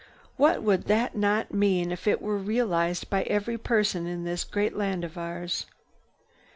"What would that not mean if it were realized by every person in this great land of ours!"